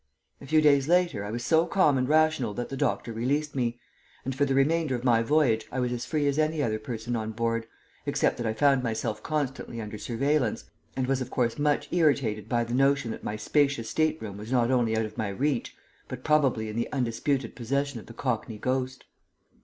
A few days later I was so calm and rational that the doctor released me, and for the remainder of my voyage I was as free as any other person on board, except that I found myself constantly under surveillance, and was of course much irritated by the notion that my spacious stateroom was not only out of my reach, but probably in the undisputed possession of the cockney ghost.